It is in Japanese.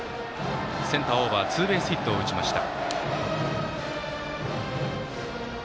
センターオーバーツーベースヒットを打ちました。